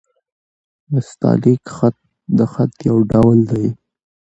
نستعلیق خط؛ د خط يو ډول دﺉ.